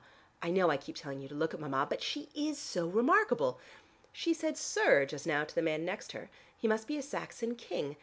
I know I keep telling you to look at Mama, but she is so remarkable. She said 'sir' just now to the man next her. He must be a Saxon king.